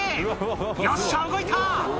よっしゃ、動いた！